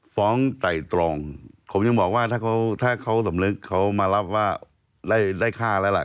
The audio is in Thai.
ไต่ตรองผมยังบอกว่าถ้าเขาถ้าเขาสำนึกเขามารับว่าได้ค่าแล้วล่ะ